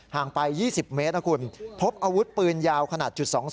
งไป๒๐เมตรนะคุณพบอาวุธปืนยาวขนาด๒๒